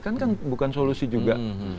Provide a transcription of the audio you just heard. kan bukan solusi juga